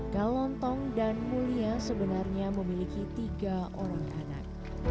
kalontong dan mulia sebenarnya memiliki tiga orang anak